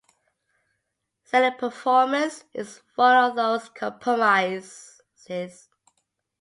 Sailing performance is one of those compromises.